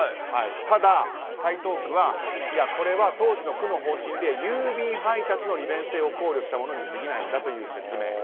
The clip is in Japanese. ただ、台東区はこれは当時の区の方針で郵便配達の利便性を考慮したものにすぎないんだという説明。